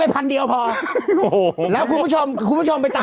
กระดาษที่ยัดในท้าวนั่นจะจับดูได้ไหมถุงเท้าหรือเปล่า